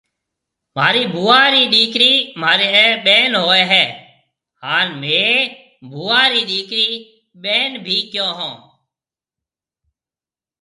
مهارِي ڀوُئا رِي ڏِيڪرِِي مهاريَ ٻين هوئيَ هيَ هانَ مهيَ ڀوُئا رِي ڏِيڪرِي ٻين ڀِي ڪيون هون۔